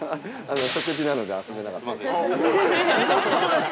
◆食事なので、遊べないです。